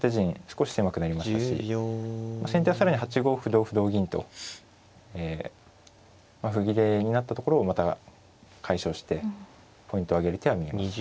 少し狭くなりましたし先手は更に８五歩同歩同銀と歩切れになったところをまた解消してポイントをあげる手は見えます。